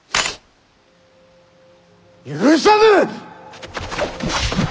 許さぬ！